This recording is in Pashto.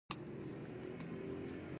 یو لوی کړنګ کیندل شوی.